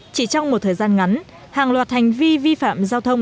chỉ trong một thời gian ngắn hàng loạt hành vi vi phạm giao thông